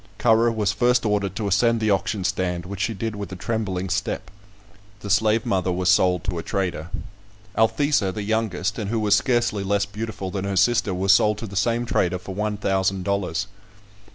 Currer was first ordered to ascend the auction stand, which she did with a trembling step. The slave mother was sold to a trader. Althesa, the youngest, and who was scarcely less beautiful than her sister, was sold to the same trader for one thousand dollars.